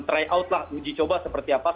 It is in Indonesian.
try out lah uji coba seperti apa